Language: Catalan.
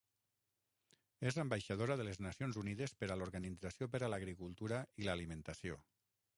És ambaixadora de les Nacions Unides per a l'Organització per a l'Agricultura i l'Alimentació.